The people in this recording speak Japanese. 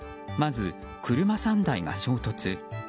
まず、車３台が衝突。